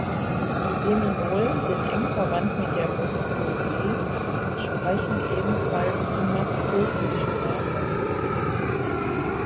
Die Seminolen sind eng verwandt mit den Muskogee und sprechen ebenfalls die Maskoki-Sprache.